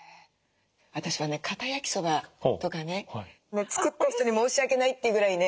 私はねかた焼きそばとかね作った人に申し訳ないっていうぐらいね